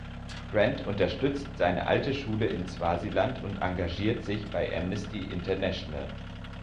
Grant unterstützt seine alte Schule in Swasiland und engagiert sich bei Amnesty International.